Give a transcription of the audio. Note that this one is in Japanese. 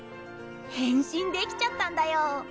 変身できちゃったんだよ。